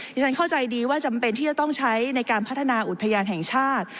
ฉันเข้าใจดีว่าจำเป็นที่จะต้องใช้ในการพัฒนาอุทยานแห่งชาติ